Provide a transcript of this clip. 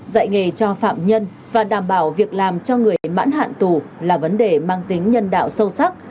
dạy nghề cho phạm nhân và đảm bảo việc làm cho người mãn hạn tù là vấn đề mang tính nhân đạo sâu sắc